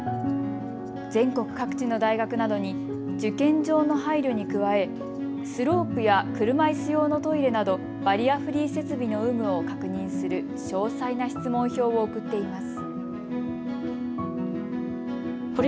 全国各地の大学などに受験上の配慮に加えスロープや車いす用のトイレなどバリアフリー設備の有無を確認する詳細な質問票を送っています。